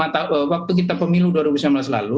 lima tahun waktu kita pemilu dua ribu sembilan belas lalu